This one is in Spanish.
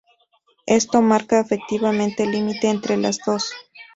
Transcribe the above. Esto marca efectivamente el límite entre las dos.